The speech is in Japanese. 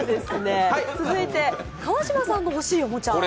続いて川島さんの欲しいおもちゃ。